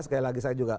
sekali lagi saya juga